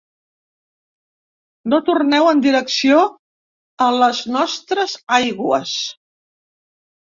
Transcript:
No torneu en direcció a les nostres aigües.